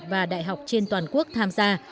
và đại học trên toàn quốc tham gia